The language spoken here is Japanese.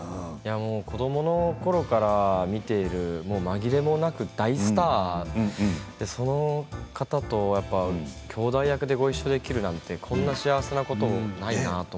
子どものころから見ている紛れもない大スターでその方ときょうだい役でごいっしょできるなんてこんな幸せなことはないなと。